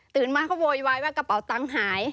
มาเขาโวยวายว่ากระเป๋าตังค์หาย